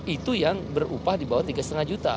itu yang berupa di bawah tiga lima juta